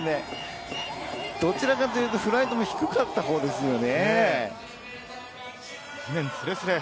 どちらかと言うとフライトも低かったほうですよね。